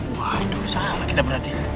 waduh salah kita berhenti